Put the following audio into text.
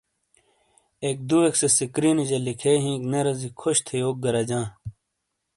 ایک دُوئیک سے سکرینیجا لِکھے ہِینک نے رازی کھُش تھے یوک رجاں۔